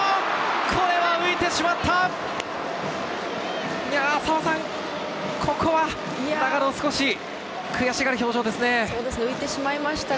これは浮いてしまった！